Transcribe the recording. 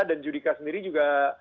dan judika sendiri juga